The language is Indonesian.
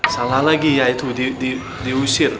salah lagi ya itu diusir